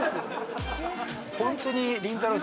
ホントにりんたろー。